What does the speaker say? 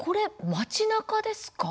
街なかですか？